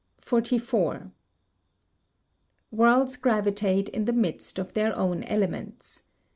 44. Worlds gravitate in the midst of their own elements.